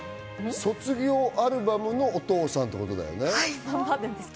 卒業アルバムのお父さんっていうことだよね。